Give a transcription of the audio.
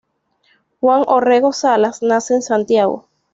Juan Orrego Salas nace en Santiago.